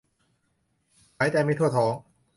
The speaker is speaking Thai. หายใจไม่ทั่วท้อง